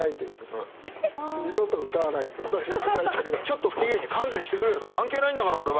ちょっと不機嫌に「勘弁してくれよ！関係ないんだからオレは」